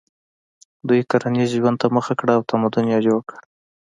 دوی کرنیز ژوند ته مخه کړه او تمدن یې جوړ کړ.